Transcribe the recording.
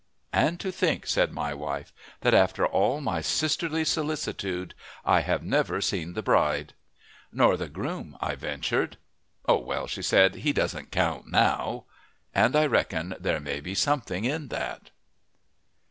"And to think," said my wife, "that after all my sisterly solicitude I have never seen the bride!" "Nor the groom," I ventured. "Oh, well," she said, "he doesn't count now!" And I reckon there may be something in that.